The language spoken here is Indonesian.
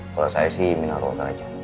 kalo saya sih mineral orta aja